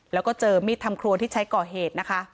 แล้วก็เจอมีดทำครัวที่ใช้ก่อเหตุนะคะ